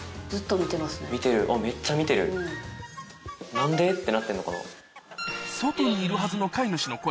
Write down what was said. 何で？ってなってんのかな。